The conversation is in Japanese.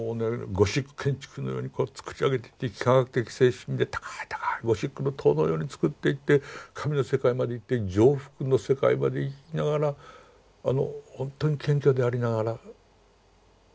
ゴシック建築のように作り上げていって幾何学的精神で高い高いゴシックの塔のように作っていって神の世界まで行って浄福の世界まで行きながらほんとに謙虚でありながら神を褒めたたえてる。